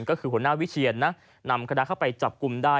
ก็คือหัวหน้าวิเชียนนะนำคณะเข้าไปจับกลุ่มได้